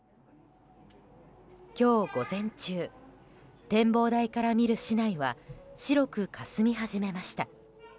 今日、午前中展望台から見る市内は白くかすみ始めました。